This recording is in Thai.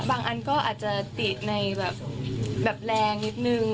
อันก็อาจจะติดในแบบแรงนิดนึง